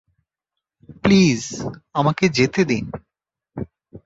Please, আমাকে যেতে দিন।